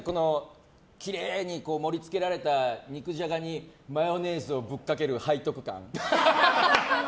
きれいに盛り付けられた肉じゃがにマヨネーズをぶっかける背徳感。